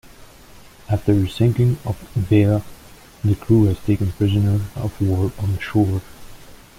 After the sinking of "Vega" the crew was taken prisoner-of-war on the shore.